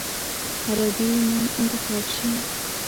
عربي نوم انتخاب شي.